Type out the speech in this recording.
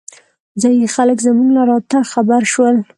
ځايي خلک زمونږ له راتګ خبر شول.